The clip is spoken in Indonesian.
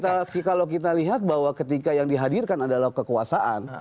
tetapi kalau kita lihat bahwa ketika yang dihadirkan adalah kekuasaan